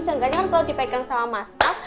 seenggaknya kalau dipegang sama mas al